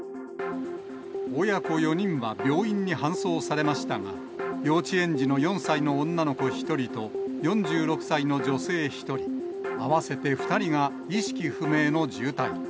親子４人は病院に搬送されましたが、幼稚園児の４歳の女の子１人と、４６歳の女性１人、合わせて２人が意識不明の重体。